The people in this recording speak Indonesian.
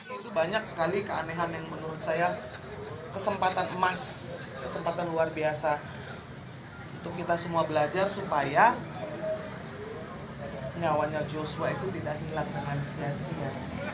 itu banyak sekali keanehan yang menurut saya kesempatan emas kesempatan luar biasa untuk kita semua belajar supaya nyawanya joshua itu tidak hilang dengan sia sia